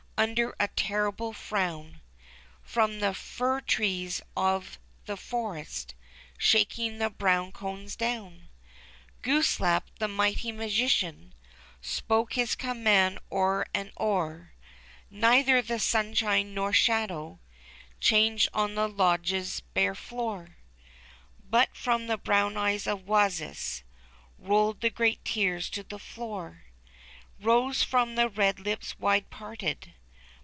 Under a terrible frown — From the fir trees of the forest Shaking the brown cones down — Glooskap, the mighty magician. Spoke his command o'er and o'er. Neither the sunshine nor shadow Changed on the lodge's bare floor. WASrS THE CONQUEROR. But from the brown eyes of Wasis Boiled the great tears to the floor, Rose from the red lips, wide parted.